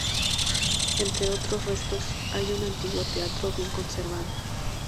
Entre otros restos, hay un antiguo teatro bien conservado.